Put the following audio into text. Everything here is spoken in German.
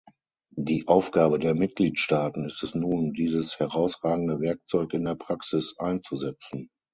Die Aufgabe der Mitgliedstaaten ist es nun, dieses herausragende Werkzeug in der Praxis einzusetzen.